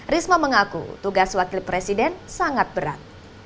risma mengaku tugas wakil presiden sangat berat